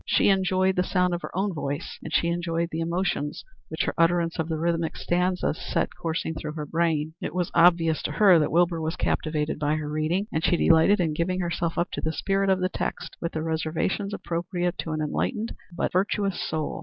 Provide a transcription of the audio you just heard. She enjoyed the sound of her own voice, and she enjoyed the emotions which her utterance of the rhythmic stanzas set coursing through her brain. It was obvious to her that Wilbur was captivated by her reading, and she delighted in giving herself up to the spirit of the text with the reservations appropriate to an enlightened but virtuous soul.